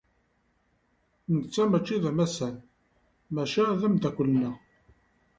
Netta maci d amassan, maca d ameddakel-nneɣ.